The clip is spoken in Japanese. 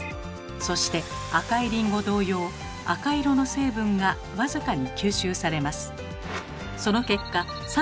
そして赤いりんご同様赤色の成分が僅かに吸収されます。